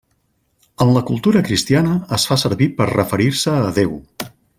En la cultura cristiana es fa servir per referir-se a Déu.